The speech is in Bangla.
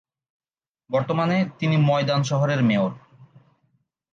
বর্তমানে তিনি ময়দান শহরের মেয়র।